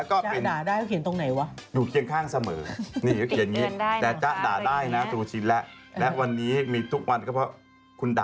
แล้วก็ด่าได้เขาเขียนตรงไหนวะ